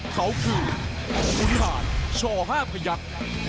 เขาคือขุนหาดช่อห้าพระยักษ์